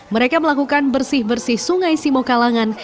mereka melakukan bersih bersih sungai simokalangan